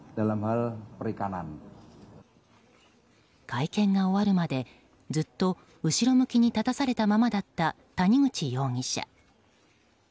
会見が終わるまで、ずっと後ろ向きに立たされたままだった谷口容疑者。